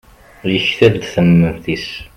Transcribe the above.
yektal-d tamemt-is